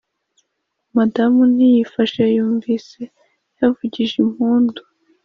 madame ntiyifashe yumvise yavugije impundu